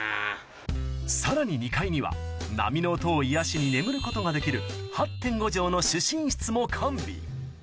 さらに２階には波の音を癒やしに眠ることができる８．５帖の主寝室も完備